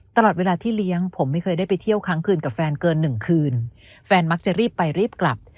ตลอดเวลาที่เลี้ยงผมไม่เคยได้ไปเที่ยวครั้งคืนกับแฟนเกินหนึ่งคืนแฟนมักจะรีบไปรีบกลับ